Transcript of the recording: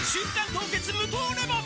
凍結無糖レモン」